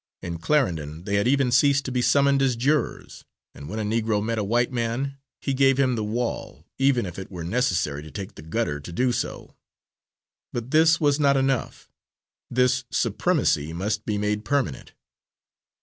In Clarendon they had even ceased to be summoned as jurors, and when a Negro met a white man, he gave him the wall, even if it were necessary to take the gutter to do so. But this was not enough; this supremacy must be made permanent.